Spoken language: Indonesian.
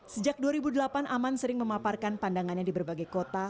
sejak dua ribu delapan aman sering memaparkan pandangannya di berbagai kota